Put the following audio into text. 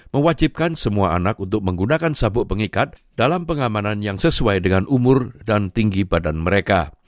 mewajibkan semua anak untuk menggunakan sabuk pengikat dalam pengamanan yang sesuai dengan umur dan tinggi badan mereka